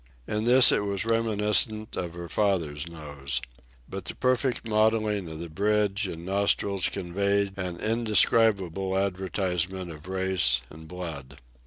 In this it was reminiscent of her father's nose. But the perfect modelling of the bridge and nostrils conveyed an indescribable advertisement of race and blood.